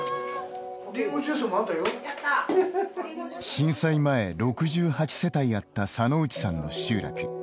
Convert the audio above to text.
震災前、６８世帯あった佐野内さんの集落。